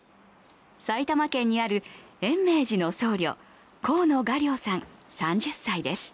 埼玉県にある延命寺の僧侶、河野雅亮さん３０歳です。